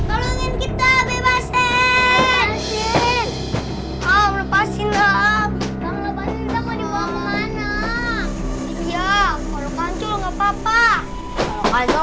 oh kita bebasin lepasin